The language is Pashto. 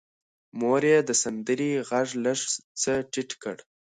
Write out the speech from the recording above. مور یې د سندرې غږ لږ څه ټیټ کړ.